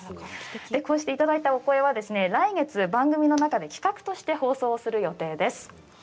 こうしていただいた、おことばお声は番組の中で企画として放送される予定です。